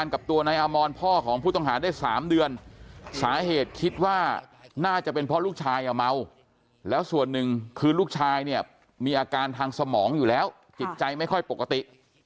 คือลูกชายเนี่ยมีอาการทางสมองอยู่แล้วจิตใจไม่ค่อยปกติ